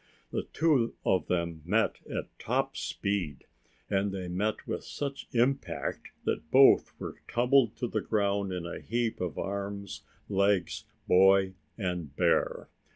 The two of them met at top speed, and they met with such impact that both were tumbled to the ground in a heap of arms, legs, boy and bear.